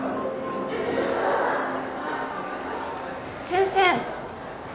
先生。